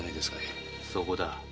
そこだ。